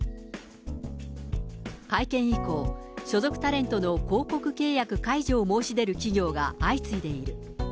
会見以降、所属タレントの広告契約解除を申し出る企業が相次いでいる。